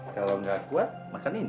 kalau nggak kuat makan ini